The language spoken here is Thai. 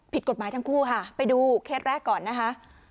ผิดกฎหมายทั้งคู่ค่ะไปดูเคสแรกก่อนนะคะ